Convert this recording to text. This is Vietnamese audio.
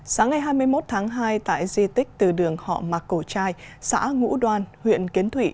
sáng ngày hai mươi một tháng hai tại di tích từ đường họ mạc cổ trai xã ngũ đoan huyện kiến thụy